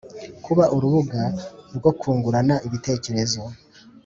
Kuba urubuga rwo kungurana ibitekerezo